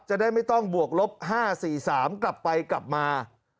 จะได้ไม่ต้องบวกลบ๕๔๓กลับไปกลับมา